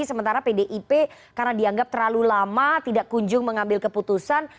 sementara pdip karena dianggap terlalu lama tidak kunjung mengambil keputusan